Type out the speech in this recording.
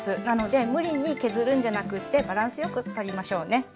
なので無理に削るんじゃなくってバランスよくとりましょうね。